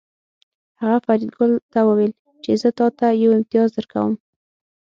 هغه فریدګل ته وویل چې زه تاته یو امتیاز درکوم